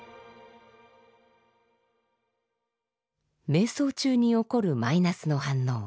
瞑想中に起こるマイナスの反応